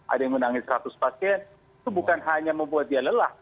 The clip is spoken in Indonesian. ada yang menangis seratus pasien itu bukan hanya membuat dia lelah